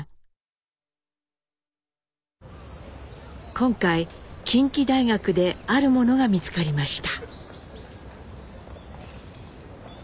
今回近畿大学であるものが見つかりました。